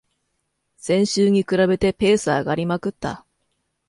先週に比べてペース上がりまくった